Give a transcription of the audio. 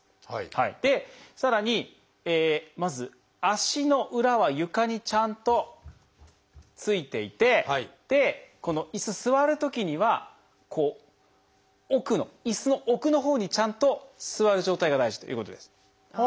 でさらにまず足の裏は床にちゃんとついていてこの椅子座るときには奥の椅子の奥のほうにちゃんと座る状態が大事ということです。